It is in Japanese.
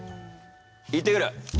行ってくる。